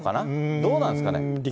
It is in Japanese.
どうなんですかね？